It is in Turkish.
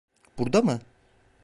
Burada mı?